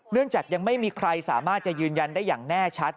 เรื่องจากยังไม่มีใครสามารถจะยืนยันได้อย่างแน่ชัด